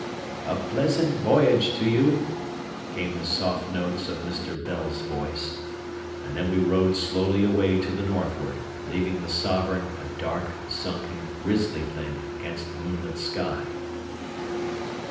"A pleasant voyage to you," came the soft notes of Mr. Bell's voice; and then we rowed slowly away to the northward, leaving the Sovereign a dark, sunken grisly thing against the moonlit sky.